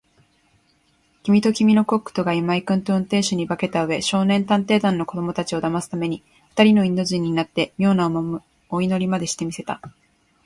きみときみのコックとが、今井君と運転手に化けたうえ、少年探偵団の子どもたちをだますために、ふたりのインド人になって、みょうなお祈りまでして見せた。